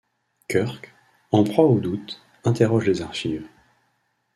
Kirk, en proie au doute, interroge les archives.